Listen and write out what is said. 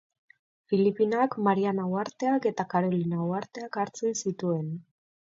Filipinak, Mariana Uharteak eta Karolina uharteak hartzen zituen.